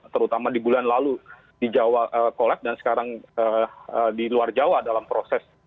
terutama di bulan lalu di jawa collap dan sekarang di luar jawa dalam proses